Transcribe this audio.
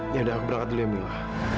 ya udah aku berangkat dulu ya emila